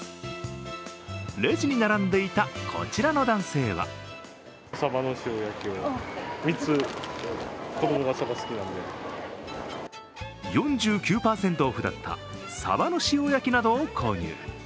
レジに並んでいたこちらの男性は４９％オフだったさばの塩焼きなどを購入。